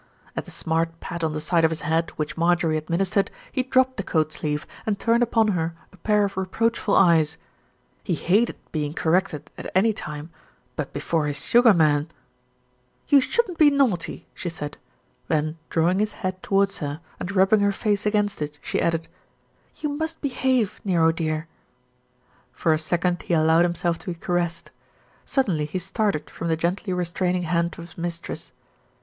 At the smart pat on the side of his head which Mar jorie administered, he dropped the coat sleeve and turned upon her a pair of reproachful eyes he hated being corrected at any time; but before his Sugar Man ! "You shouldn't be naughty," she said, then, drawing his head towards her and rubbing her face against it, she added, "You must behave, Nero, dear." For a second he allowed himself to be caressed. Suddenly he started from the gently restraining hand' of his mistress.